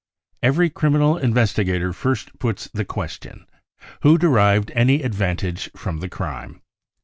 Every criminal investigator first puts the question : who derived any advantage from the crime